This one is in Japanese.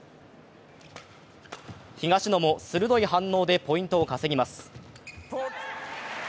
東野も鋭い反応でポイントを稼ぎます。